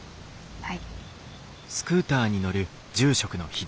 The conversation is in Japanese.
はい。